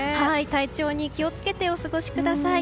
体調に気を付けてお過ごしください。